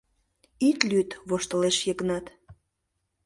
Ит лӱд, — воштылеш Йыгнат.